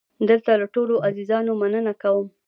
دلته له ټولو عزیزانو مننه کوم.